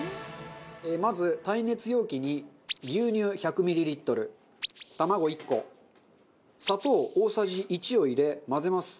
まず耐熱容器に牛乳１００ミリリットル卵１個砂糖大さじ１を入れ混ぜます。